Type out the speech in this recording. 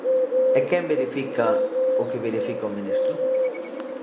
¿E quen verifica o que verifica o ministro?